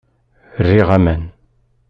Riɣ aman.